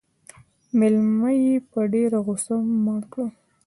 _مېلمه يې په ډېره غوښه مړ کړ.